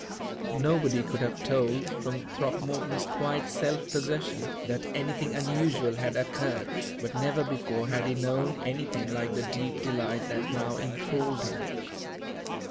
Nobody could have told, from Throckmorton's quiet self possession, that anything unusual had occurred; but never before had he known anything like the deep delight that now enthralled him.